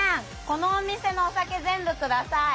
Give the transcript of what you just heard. このお店のお酒全部下さい。